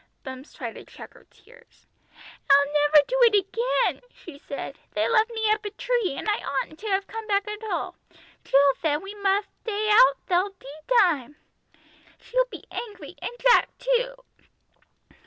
Bumps tried to check her tears. "I'll never do it again," she said. "They left me up a tree, and I oughtn't to have come back at all. Jill thaid we motht thtay out till tea time. She'll be angry, and Jack too."